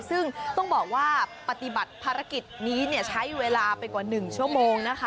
ซึ่งต้องบอกว่าปฏิบัติภารกิจนี้ใช้เวลาไปกว่า๑ชั่วโมงนะคะ